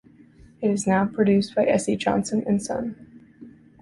It is now produced by S. C. Johnson and Son.